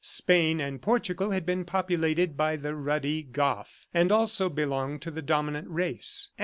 Spain and Portugal had been populated by the ruddy Goth and also belonged to the dominant race.